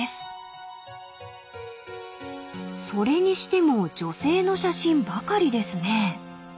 ［それにしても女性の写真ばかりですね］